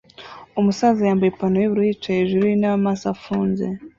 Umusaza wambaye ipantaro yubururu yicaye hejuru yintebe amaso afunze